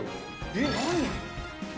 えっ？何？